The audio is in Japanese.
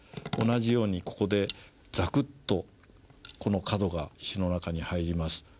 同じようにここでザクッとこの角が石の中に入ります。